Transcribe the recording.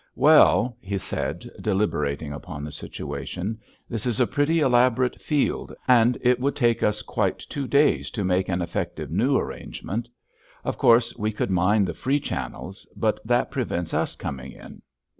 "Well," he said, deliberating upon the situation, "this is a pretty elaborate field, and it would take us quite two days to make an effective new arrangement. Of course, we could mine the free channels, but that prevents us coming in."